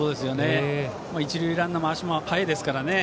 一塁ランナーの足も速いですからね。